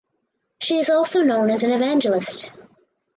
She is also known as an evangelist.